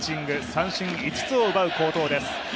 三振、５つを奪う好投です。